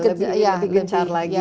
lebih gencar lagi